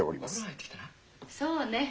そうね。